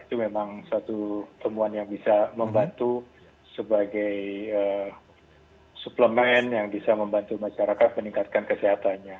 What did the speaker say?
jadi saya berharap itu adalah satu temuan yang bisa membantu sebagai suplemen yang bisa membantu masyarakat meningkatkan kesehatannya